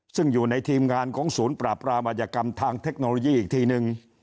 ซึ่งอยู่ในทีมงานของศูนย์ปราบรามอัยกรรมทางเทคโนโลยีอีกทีนึง